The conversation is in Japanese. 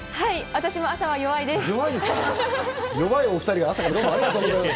私も朝は弱いです。